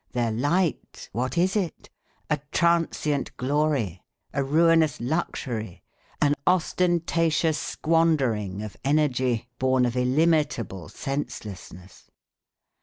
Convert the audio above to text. Their light, what is it? A transient glory, a ruinous luxury, an ostentatious squandering of energy, born of illimitable senselessness.